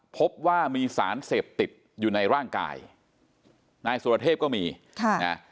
พบว่ามีสารเสพติดอยู่ในร่างกายนายสุรเทพก็มีค่ะนะ